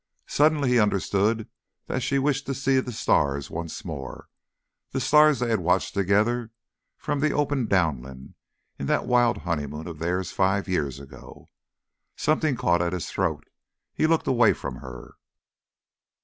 Suddenly he understood that she wished to see the stars once more, the stars they had watched together from the open downland in that wild honeymoon of theirs five years ago. Something caught at his throat. He looked away from her.